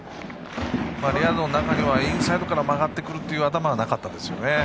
レアードの中にはインサイドから曲がってくる頭はなかったですよね。